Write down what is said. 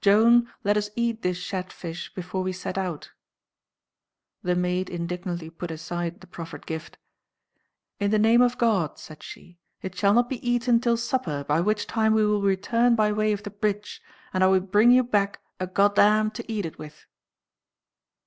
"Joan, let us eat this shad fish before we set out." The Maid indignantly put aside the proffered gift, "In the name of God," said she, "it shall not be eaten till supper, by which time we will return by way of the bridge, and I will bring you back a Goddam to eat it with."